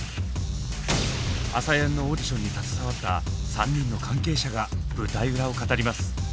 「ＡＳＡＹＡＮ」のオーディションに携わった３人の関係者が舞台裏を語ります。